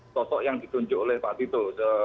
sosok yang ditunjuk oleh pak tito